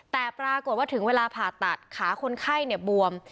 แต่ปรากฏว่าถึงเวลาผ่าตัดขาคนไข้บวม